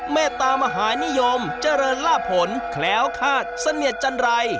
เมตตามหานิยมเจริญล่าผลแคล้วคาดเสนียดจันรัย